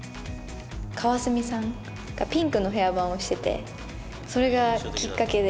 川澄さんがピンクのヘアバンをしてて、それがきっかけで。